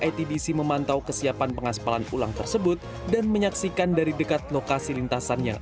itdc memantau kesiapan pengaspalan ulang tersebut dan menyaksikan dari dekat lokasi lintasan yang